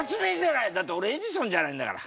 だっておれエジソンじゃないんだから。